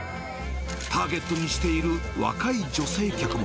ターゲットにしている若い女性客も。